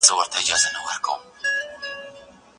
منځلاري خلګ په دې بحثونو کي ځای نه لري.